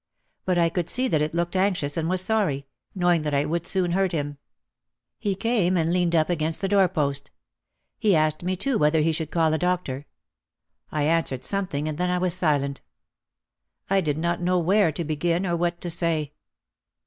But I could see that it looked anxious and was sorry, knowing that I would soon hurt him. He came and leaned up against the door post. He asked me too whether he should call a doctor. I answered something and then I was silent. I did not know where to begin or what to say.